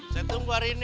saya tunggu hari ini